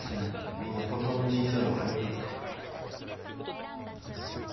みんな本当の人生を歩むよ。